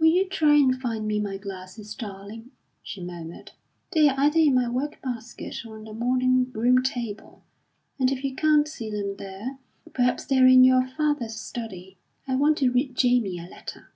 "Will you try and find me my glasses, darling," she murmured. "They're either in my work basket or on the morning room table. And if you can't see them there, perhaps they're in your father's study. I want to read Jamie a letter."